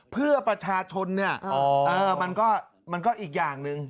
เพื่อประชาชนเนี่ยมันก็อีกอย่างหนึ่ง